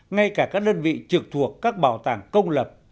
ngay cả các đơn vị trực thuộc các bảo tàng công lập